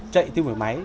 chạy tim phổi máy